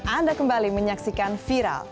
anda kembali menyaksikan viral